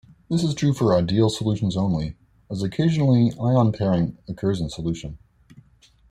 This is true for ideal solutions only, as occasionally ion pairing occurs in solution.